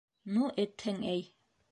- Ну этһең, әй!